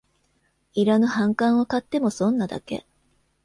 いらぬ反感を買っても損なだけ